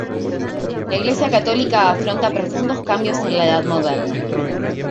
La Iglesia católica afronta profundos cambios en la Edad Moderna.